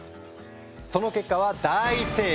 その結果は大盛況！